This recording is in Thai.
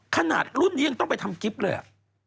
ขนาดรุ่นนี้ยังต้องไปทำกิ๊บเลยอ่ะ